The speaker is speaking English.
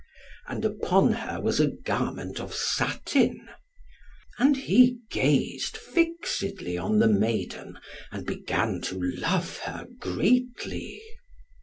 And upon her was a garment of satin. And he gazed fixedly on the maiden, and began to love her greatly.